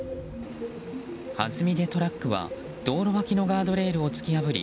はずみでトラックは道路脇のガードレールを突き破り